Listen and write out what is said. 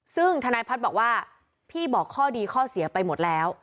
ซึ่งธนายพัฒน์บอกว่าพี่บอกข้อดีข้อเสียไปหมดแล้ว